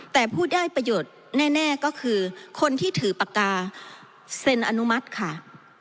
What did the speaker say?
แต่ผู้ได้ประโยชน์แน่ก็คือคนที่ถือปากกาเซ็นอนุมัติค่ะ